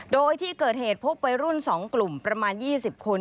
โดยที่เกิดเหตุพบวัยรุ่น๒กลุ่มประมาณ๒๐คน